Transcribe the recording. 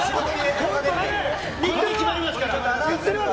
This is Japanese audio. これで決まりますから。